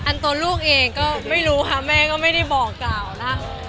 ตัวลูกเองก็ไม่รู้ค่ะแม่ก็ไม่ได้บอกกล่าวนะ